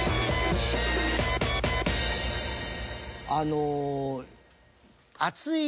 あの。